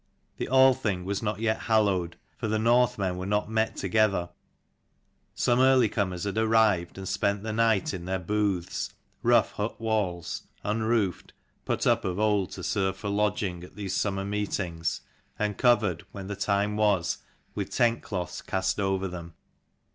The Althing was not yet hallowed, for the Northmen were not met together. Some early comers had arrived and spent the night in their booths, rough hut walls, unroofed, put up of old to serve for lodging at these summer meetings, and covered, when the time was, with tent cloths cast over them.